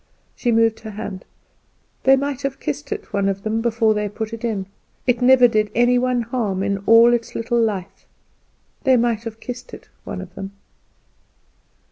She moved her hand. "They might have kissed it, one of them, before they put it in. It never did any one any harm in all its little life. They might have kissed it, one of them."